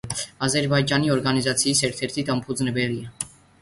აზერბაიჯანი ორგანიზაციის ერთ-ერთი დამფუძნებელია.